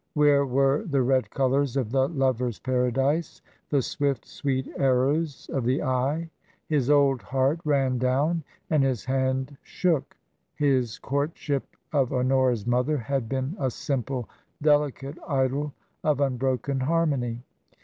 Where were the red colours of the lover's paradise, the swift, sweet arrows of the eye ? His old heart ran down, and his hand shook ; his courtship of Honora's mother had been a simple, delicate idyll of unbroken harmony.